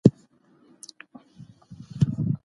بخښنه کول د لويانو کار دی.